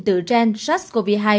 tựa gen sars cov hai